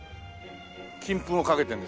金粉をかけてるんですよね。